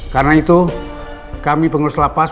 karena itu kami pengurus lapas